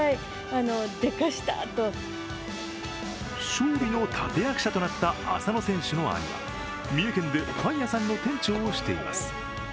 勝利の立役者となった浅野選手の兄は三重県でパン屋さんの店長をしています。